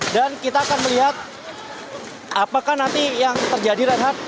dan kita akan melihat apakah nanti yang terjadi renhardt